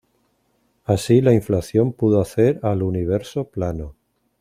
Así la inflación pudo hacer al universo plano.